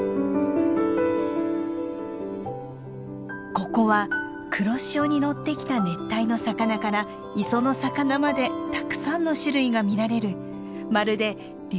ここは黒潮に乗ってきた熱帯の魚から磯の魚までたくさんの種類が見られるまるで竜